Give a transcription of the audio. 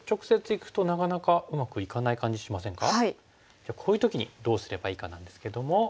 じゃあこういう時にどうすればいいかなんですけども。